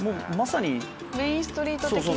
メインストリート的な感じ？